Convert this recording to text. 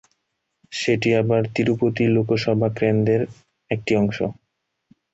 সেটি আবার তিরুপতি লোকসভা কেন্দ্রের একটি অংশ।